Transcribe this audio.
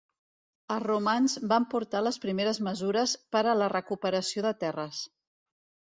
Els romans van portar les primeres mesures per a la recuperació de terres.